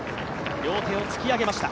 両手を突き上げました。